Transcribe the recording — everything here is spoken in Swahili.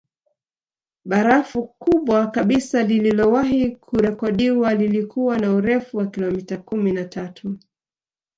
Barafu kubwa kabisa lililowahi kurekodiwa lilikuwa na urefu wa kilometa kumi na tatu